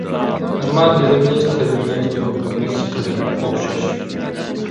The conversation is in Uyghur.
ئەمما دىلىمىز، تىلىمىز، تۇرقىمىز، قېنىمىز ئوخشاش.